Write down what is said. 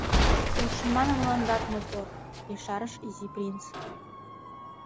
— Ошман мландат мотор… — ешарыш Изи принц.